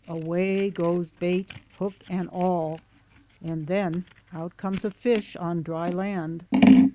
Away goes bait, hook and all, and then out comes a fish on dry land.